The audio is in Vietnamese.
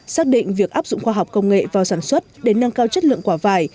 xác định việc áp dụng khoa học công nghệ vào sản xuất để nâng cao chất lượng quả vải